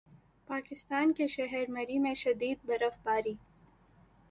پاکستان کے شہر مری میں شدید برف باری